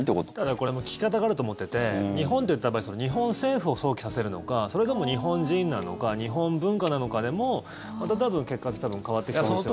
これも聞き方があると思ってて日本って言った場合日本政府を想起させるのかそれとも日本人なのか日本文化なのかでも多分、結果って変わっていく可能性が。